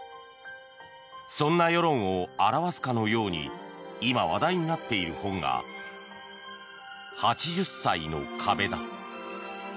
そんな世論を表すかのように今話題になっている本が「８０歳の壁」だ。